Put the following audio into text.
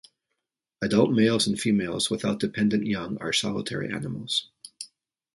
Adult males and females without dependent young are solitary animals.